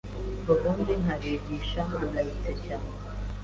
ubundi nkabigisha mpangayitse cyane